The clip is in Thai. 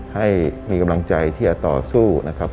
ให้มีกำลังใจที่จะต่อสู้นะครับ